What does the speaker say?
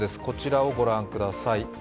こちらをご覧ください。